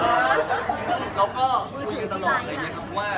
ว่าเรื่องจากนี้มันก็คือว่าก็เป็นเรื่องที่เราไม่หวาย